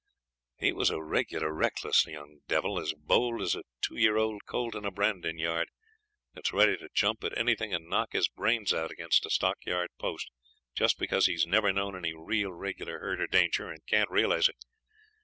He was a regular reckless young devil, as bold as a two year old colt in a branding yard, that's ready to jump at anything and knock his brains out against a stockyard post, just because he's never known any real regular hurt or danger, and can't realise it.